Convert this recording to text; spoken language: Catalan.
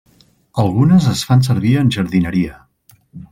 Algunes es fan servir en jardineria.